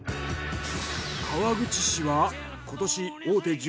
川口市は今年大手